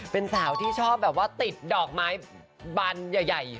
เป็นสาวที่ชอบแบบว่าติดดอกไม้บานใหญ่